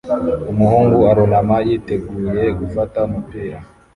Umuhungu arunama yiteguye gufata umupira